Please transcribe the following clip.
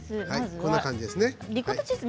こんな感じですね。